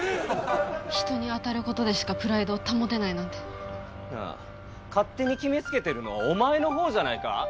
人に当たることでしかプライドを保てないなんて。なあ勝手に決めつけてるのはお前のほうじゃないか？